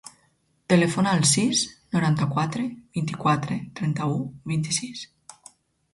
Telefona al sis, noranta-quatre, vint-i-quatre, trenta-u, vint-i-sis.